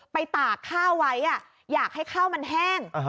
ตากข้าวไว้อยากให้ข้าวมันแห้ง